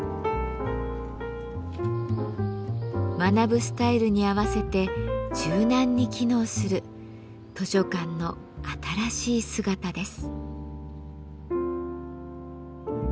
学ぶスタイルに合わせて柔軟に機能する図書館の新しい姿です。